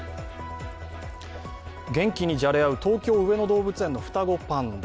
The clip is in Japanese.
元気にじゃれあう東京・上野動物園の双子パンダ。